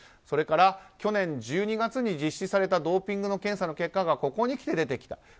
それから去年１２月に実施されたドーピングの検査の結果がここにきて出てきた。